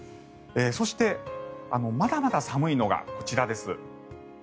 そしてまだまだ寒いのがこちらです。